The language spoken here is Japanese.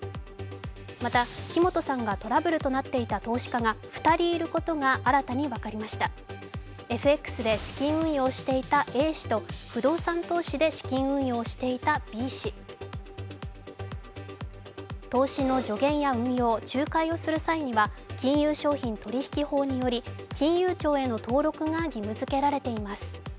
また木本さんがトラブルとなっていた投資家が２人いることが新たに分かりましたＦＸで資金運用していたＡ氏と不動産投資で資金運用していたＢ氏投資の助言や運用、仲介をする際には金融商品取引法により金融庁への登録が義務付けられています。